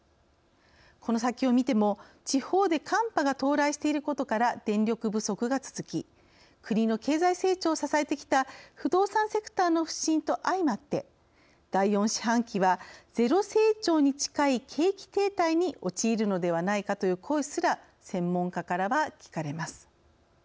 この先を見ても地方で寒波が到来していることから電力不足が続き国の経済成長を支えてきた不動産セクターの不振と相まって「第４四半期はゼロ成長に近い景気停滞に陥るのではないか」という声すら専門家からは、聞かれます。